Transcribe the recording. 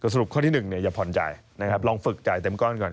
สรุปข้อที่๑อย่าผ่อนใจนะครับลองฝึกจ่ายเต็มก้อนก่อน